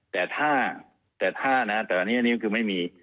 แต่ถ้านะครับอันนี้ก็คือไม่มี